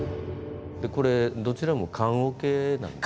これどらちも棺おけなんです。